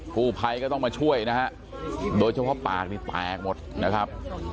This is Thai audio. ผู้ภัยก็ต้องมาช่วยนะฮะโดยเฉพาะปากนี่แตกหมดนะครับ